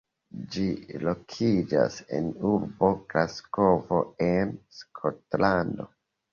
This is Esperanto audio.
Ĝi lokiĝas en urbo Glasgovo en Skotlando.